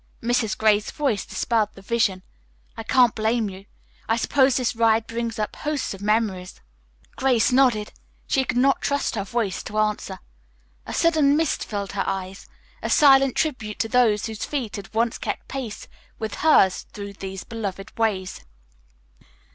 Mrs. Gray's voice dispelled the vision. "I can't blame you. I suppose this ride brings up hosts of memories." Grace nodded. She could not trust her voice to answer. A sudden mist filled her eyes, a silent tribute to those whose feet had once kept pace with hers through these beloved ways.